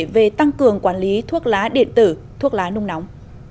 về tăng cường quản lý thuốc lá điện tử thuốc lá nung nóng